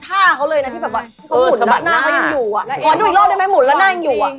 หมอนดูอีกรอบได้ไหมหมุนแล้วนั่งอยู่